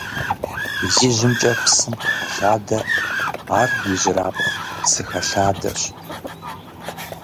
ИжьымкӀэ псым къыхэлъадэр ар ижьырабгъу псы хэлъадэщ.